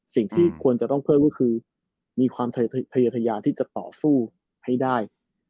สิ่งที่ควรจะต้องเพิ่มก็คือมีความพยายามที่จะต่อสู้ให้ได้